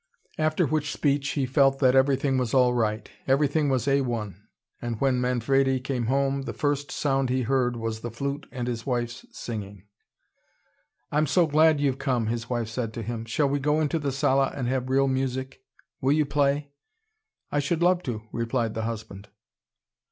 After which speech he felt that everything was all right everything was A one. And when Manfredi came home, the first sound he heard was the flute and his wife's singing. "I'm so glad you've come," his wife said to him. "Shall we go into the sala and have real music? Will you play?" "I should love to," replied the husband.